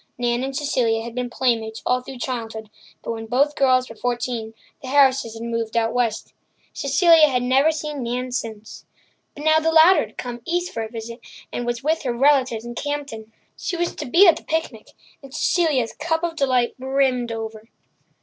Nan and Cecilia had been playmates all through childhood, but when both girls were fourteen the Harrises had moved out west. Cecilia had never seen Nan since. But now the latter had come east for a visit, and was with her relatives in Campden. She was to be at the picnic, and Cecilia's cup of delight brimmed over. Mrs.